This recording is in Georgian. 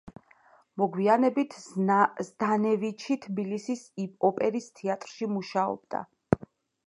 მოგვიანებით ზდანევიჩი თბილისის ოპერის თეატრში მუშაობდა.